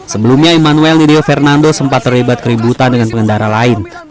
sebelumnya emmanuel lirio fernando sempat terlibat keributan dengan pengendara lain